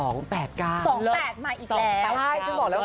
๒๘๙มาอีกแล้ว